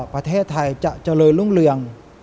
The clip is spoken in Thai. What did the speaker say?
ประเทศไทยจะเจริญรุ่งเรือง